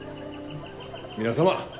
皆様